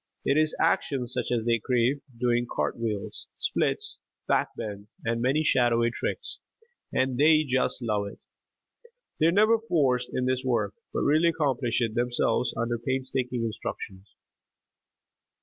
It is action such as they crave, doing "cartwheels," "splits," "back bends" and many showy "tricks," and they just love it. They are never forced in this work, but really accomplish it themselves under painstaking instructions.